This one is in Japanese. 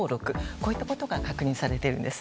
こういったことが確認されています。